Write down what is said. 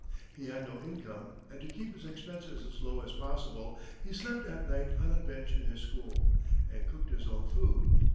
He had no income, and to keep his expenses as low as possible, he slept at night on a bench in his school, and cooked his own food.